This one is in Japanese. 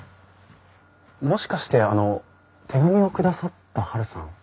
もしかしてあの手紙を下さったはるさん？